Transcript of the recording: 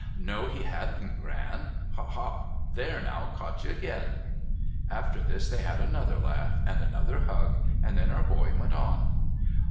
' No, he hadn't. Gran. Ha, ha ! There now ! Caught you again !' After this, they had another laugh and another hug, and then our boy went on.